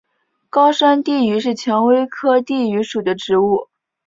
高山地榆是蔷薇科地榆属的植物。